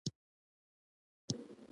ته به ما وبښې.